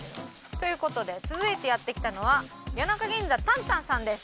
という事で続いてやって来たのは谷中銀座たんたんさんです。